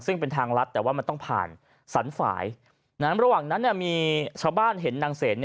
ซึ่งเป็นทางลัดแต่ว่ามันต้องผ่านสรรฝ่ายระหว่างนั้นมีชาวบ้านเห็นนางเสน